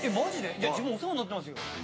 じゃ自分お世話になってますよ。